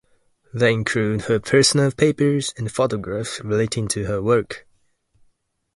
They include her personal papers and photographs relating to her work.